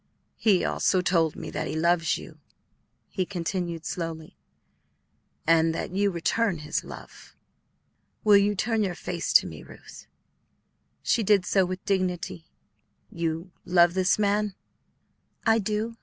"He also told me that he loves you," he continued slowly, "and that you return his love. Will you turn your face to me, Ruth?" She did so with dignity. "You love this man?" "I do."